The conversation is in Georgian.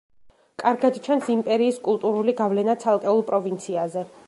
კარგად ჩანს იმპერიის კულტურული გავლენა ცალკეულ პროვინციაზე.